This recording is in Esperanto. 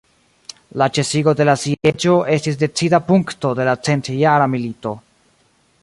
La ĉesigo de la sieĝo estis decida punkto de la centjara milito.